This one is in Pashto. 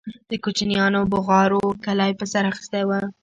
د كوچنيانو بوغارو كلى په سر اخيستى و.